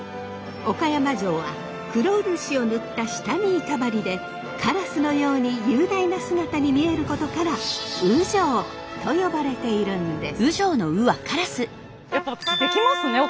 岡山城は黒漆を塗った下見板張りでカラスのように雄大な姿に見えることから烏城と呼ばれているんです。